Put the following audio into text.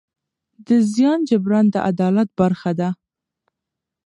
د زیان جبران د عدالت برخه ده.